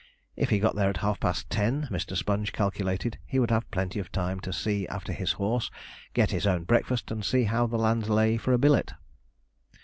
If he got there at half past ten, Mr. Sponge calculated he would have plenty of time to see after his horse, get his own breakfast, and see how the land lay for a billet.